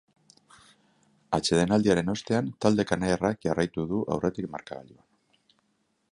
Atsedenaldiaren ostean, talde kanariarrak jarraitu du aurretik markagailuan.